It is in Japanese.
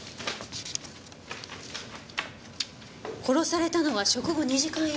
殺されたのは食後２時間以内。